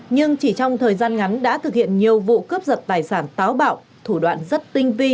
nhưng chỉ trong thời gian ngắn đã thực hiện nhiều vụ cướp giật tài sản táo bạo thủ đoạn rất tinh vi